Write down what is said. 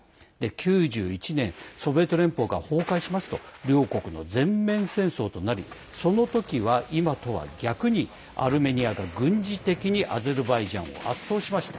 ９１年、ソビエト連邦崩壊が崩壊しますと両国の全面戦争となりその時は今とは逆にアルメニアが軍事的にアゼルバイジャンを圧倒しました。